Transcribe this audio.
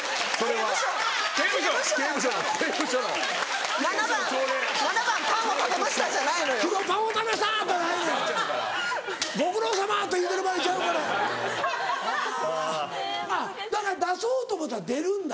はぁあっだから出そうと思ったら出るんだ。